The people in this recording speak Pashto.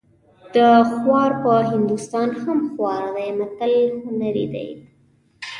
د خوار په هندوستان هم خوار دی متل هنري دی